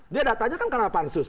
dia datanya kan karena pansus